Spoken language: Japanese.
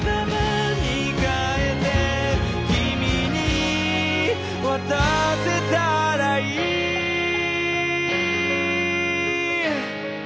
「君に渡せたらいい」